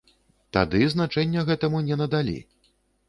Тады значэння гэтаму не надалі.